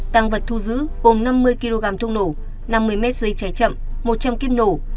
tăng vật thu giữ gồm năm mươi kg thông nổ năm mươi m dây trái chậm một trăm linh kiếp nổ